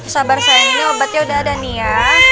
sabar saya ini obatnya udah ada nih ya